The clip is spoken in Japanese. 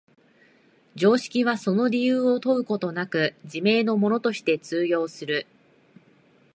常識はその理由を問うことなく、自明のものとして通用する。